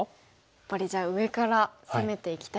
やっぱりじゃあ上から攻めていきたいですね。